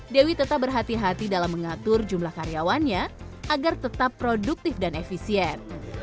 dewi tetap berhati hati dalam mengatur jumlah karyawannya agar tetap produktif dan efisien